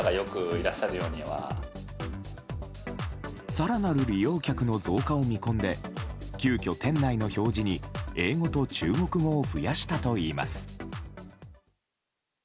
更なる利用客の増加を見込んで急きょ、店内の表示に英語と中国語を増やしたといいます。